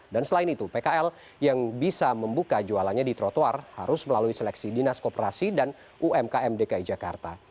dan selain itu pkl yang bisa membuka jualannya di trotoar harus melalui seleksi dinas koperasi dan umkm dki jakarta